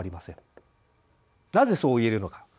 なぜそう言えるのか。